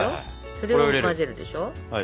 それを混ぜるでしょ。